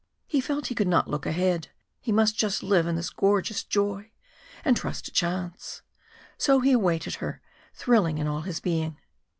He felt he could not look ahead. He must just live in this gorgeous joy, and trust to chance. So he awaited her, thrilling in all his being.